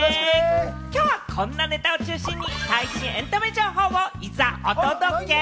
きょうはこんなネタを中心に最新エンタメ情報をいざお届け！